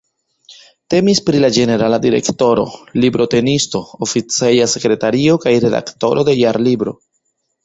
Temis pri la ĝenerala direktoro, librotenisto, oficeja sekretario kaj redaktoro de Jarlibro.